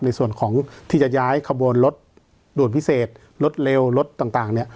ในส่วนของที่จะย้ายขบวนรถด่วนพิเศษรถเร็วรถต่างเนี่ย